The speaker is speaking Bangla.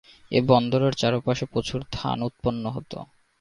এ বন্দরের চারপাশে প্রচুর ধান উৎপন্ন হতো।